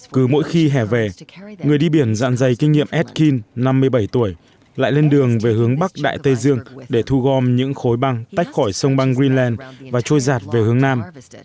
cứ mỗi khi hè về người đi biển dạn dày kinh nghiệm edin năm mươi bảy tuổi lại lên đường về hướng bắc đại tây dương để thu gom những khối băng tách khỏi sông băng greenland và trôi giạt về hướng nam